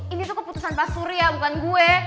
ini tuh keputusan pak surya bukan gue